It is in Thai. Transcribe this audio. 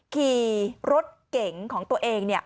ขี่รถเก๋งของตัวเองเนี่ย